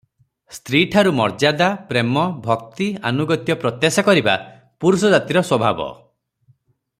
ସ୍ତ୍ରୀଠାରୁ ମର୍ଯ୍ୟାଦା, ପ୍ରେମ, ଭକ୍ତି ଆନୁଗତ୍ୟ ପ୍ରତ୍ୟାଶା କରିବା ପୁରୁଷଜାତିର ସ୍ୱଭାବ ।